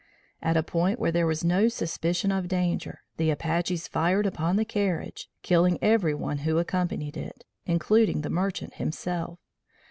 At a point where there was no suspicion of danger, the Apaches fired upon the carriage, killing every one who accompanied it, including the merchant himself.